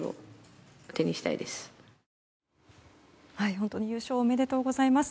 本当に優勝おめでとうございます。